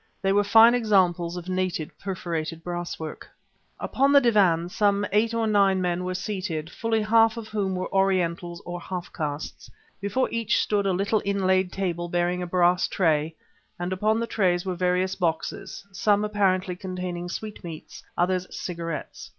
They were fine examples of native perforated brasswork. Upon the divans some eight or nine men were seated, fully half of whom were Orientals or half castes. Before each stood a little inlaid table bearing a brass tray; and upon the trays were various boxes, some apparently containing sweetmeats, other cigarettes.